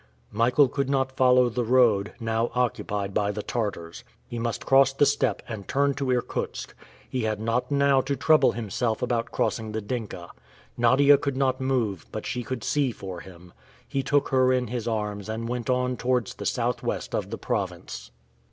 Michael could not follow the road, now occupied by the Tartars. He must cross the steppe and turn to Irkutsk. He had not now to trouble himself about crossing the Dinka. Nadia could not move, but she could see for him. He took her in his arms and went on towards the southwest of the province.